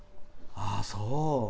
ああそう！